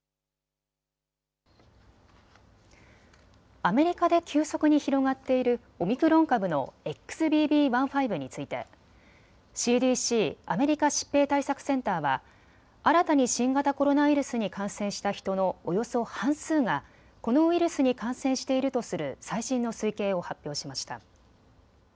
アメリカで急速に広がっているオミクロン株のＸＢＢ．１．５についてＣＤＣ・アメリカ疾病対策センターは新たに新型コロナウイルスに感染した人のおよそ半数がこのウイルスに感染しているとする最新の推計を発表しました。